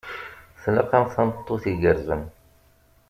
Tlaq-am tameṭṭut igerrzen.